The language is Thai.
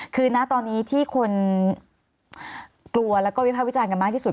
คือณตอนนี้ที่คนกลัวแล้วก็วิภาควิจารณ์กันมากที่สุด